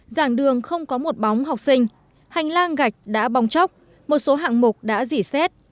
giảng đường không có một bóng học sinh hành lang gạch đã bong chóc một số hạng mục đã dỉ xét